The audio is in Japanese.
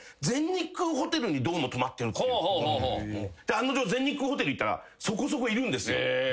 案の定全日空ホテル行ったらそこそこいるんですよ。